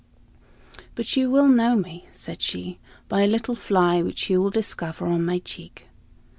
"But you will know me," said she, "by a little fly which you will discover on my cheek."